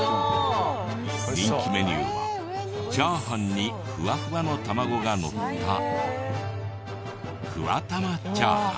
人気メニューはチャーハンにふわふわの玉子がのったふわ玉チャーハン。